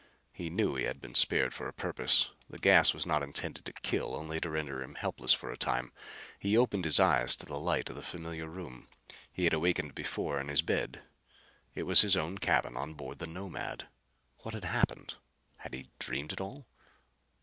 He knew he had been spared for a purpose. The gas was not intended to kill, only to render him helpless for a time. He opened his eyes to the light of a familiar room. He had awakened before in this bed. It was his own cabin on board the Nomad. What had happened? Had he dreamed it all.